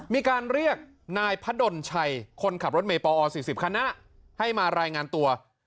มีการเรียกนายพระดนชัยคนขับรถเมย์ปอ๔๐คณะให้มารายงานตัว